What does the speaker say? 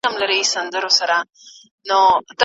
د ژوند هره شېبه د زده کړې فرصت دی.